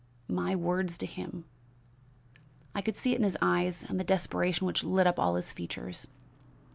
My words to him! I could see it in his eyes and the desperation which lit up all his features.